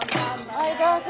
ほいどうぞ。